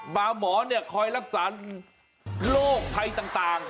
ปลาหมอเนี่ยคอยรักษาโลกไทยต่าง